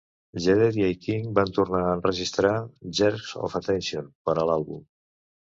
Jedediah y King van tornar a enregistrar "Jerks of attention" per a l'àlbum.